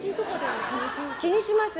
気にします。